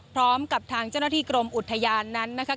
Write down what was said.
พร้อมกับทางเจ้าหน้าที่กรมอุทยานนั้นนะคะ